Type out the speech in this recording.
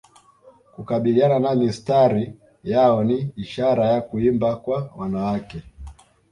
Kukabiliana na mistari yao ni ishara ya kuimba kwa wanawake